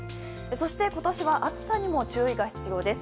そして今年は暑さにも注意が必要です。